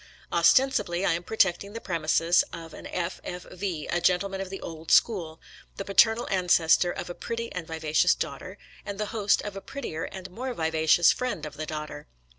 Ostensibly, I am protecting the premises of an F. F. V. — a gentleman of the old school, the paternal ancestor of a pretty and viva cious daughter, and the host of a prettier and more vivacious friend of the daughter.